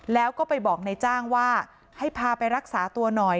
แล้วก็ไปบอกนายจ้างว่าให้พาไปรักษาตัวหน่อย